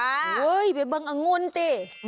เฮ้ยบังอังุณติ